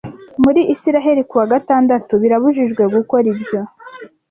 Muri Isiraheli kuwa gatandatu birabujijwe gukora ibyo